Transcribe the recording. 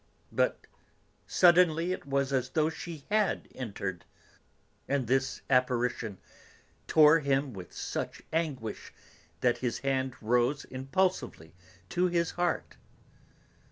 But suddenly it was as though she had entered, and this apparition tore him with such anguish that his hand rose impulsively to his heart.